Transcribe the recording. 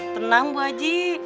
tenang bu haji